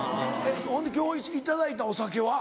ほんで今日頂いたお酒は？